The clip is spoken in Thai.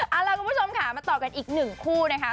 เอาล่ะคุณผู้ชมค่ะมาต่อกันอีกหนึ่งคู่นะคะ